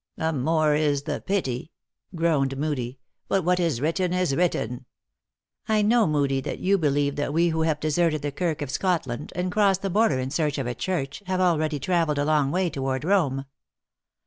" The more is the pity," groaned Moodie. " But what is written is written." " I know, Moodie, that you believe that we who have deserted the Kirk of Scotland, and crossed the border in search of a church, have already traveled a long way toward Rome."